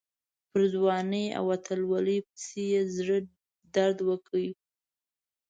پر ځوانۍ او اتلولۍ پسې یې زړه درد وکړي.